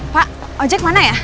pak ojek mana ya